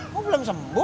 kok belum sembuh